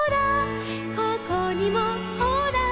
「ここにもほら」